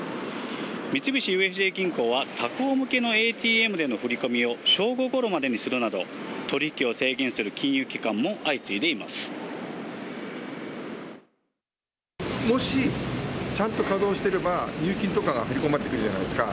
三菱ＵＦＪ銀行は、他行向けのＡＴＭでの振り込みを正午ごろまでにするなど、取り引きを制限するもし、ちゃんと稼働してれば、入金とかが振り込まれてくるじゃないですか。